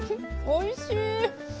おいしい！